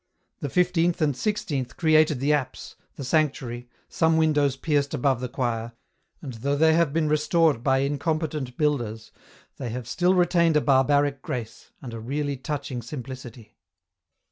The fifteenth and sixteenth created the apse, the sanctuary, some windows pierced above the choir, and though they have been restored by incompetent builders, they have still retained a barbaric grace, and a really touching simplicity.